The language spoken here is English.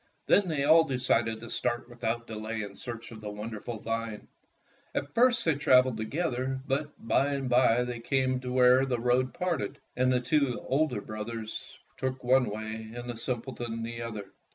Then they all decided to start without delay in search of the wonderful vine. At first they traveled together, but by and by they came to where the road parted, and the two elder brothers took one way, and the simpleton the other.